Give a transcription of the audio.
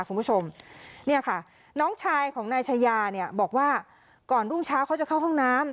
คุณผู้ชมเนี่ยค่ะน้องชายของนายชายาเนี่ยบอกว่าก่อนรุ่งเช้าเขาจะเข้าห้องน้ำ